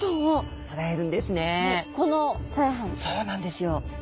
そうなんですよ。